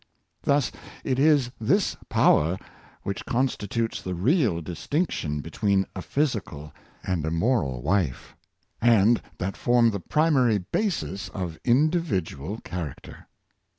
Thus it is this power which constitutes the real distinction between a physical and a moral life, and that form the primar}^ basis of individual character.